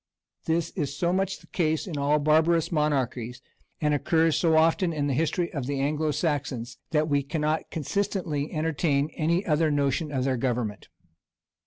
This is so much the case in all barbarous monarchies, and occurs so often in the history of the Anglo Saxons, that we cannot consistently entertain any other notion of their government.